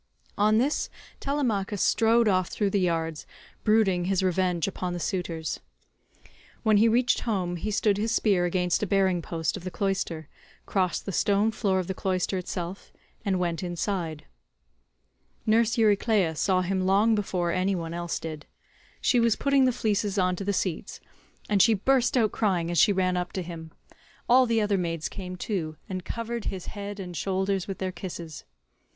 On this Telemachus strode off through the yards, brooding his revenge upon the suitors. When he reached home he stood his spear against a bearing post of the cloister, crossed the stone floor of the cloister itself, and went inside. Nurse Euryclea saw him long before any one else did. She was putting the fleeces on to the seats, and she burst out crying as she ran up to him; all the other maids came up too, and covered his head and shoulders with their kisses.